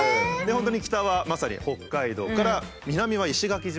本当に北はまさに北海道から南は石垣島。